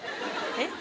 えっ？